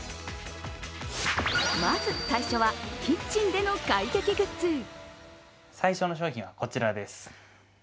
まず最初は、キッチンでの快適グッズ。